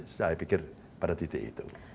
saya pikir pada titik itu